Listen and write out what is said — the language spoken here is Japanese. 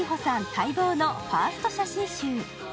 待望のファースト写真集。